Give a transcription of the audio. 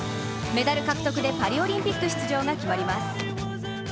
メダル獲得でパリオリンピック出場が決まります。